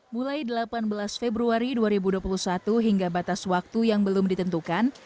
mulai delapan belas februari dua ribu dua puluh satu hingga batas waktu yang belum ditentukan